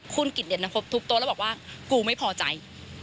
คุณกิจเด่นนพบทุบโต๊ะแล้วบอกว่ากูไม่พอใจ